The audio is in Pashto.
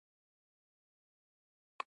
ډېر خورک کوي.